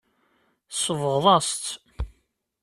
Tsebɣeḍ-as-tt.